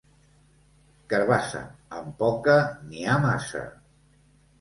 Carabassa, amb poca n'hi ha massa.